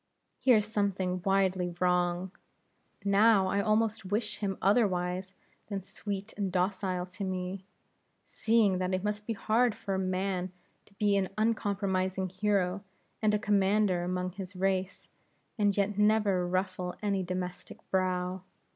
Here's something widely wrong. Now I almost wish him otherwise than sweet and docile to me, seeing that it must be hard for man to be an uncompromising hero and a commander among his race, and yet never ruffle any domestic brow.